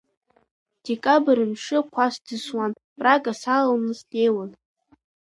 Декабр мшы қәас-ӡысуан Прага салаланы снеиуан.